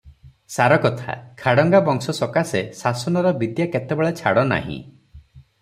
ସାରକଥା, ଖାଡ଼ଙ୍ଗାବଂଶ ସକାଶେ ଶାସନର ବିଦ୍ୟା କେତେବେଳେ ଛାଡ଼ ନାହିଁ ।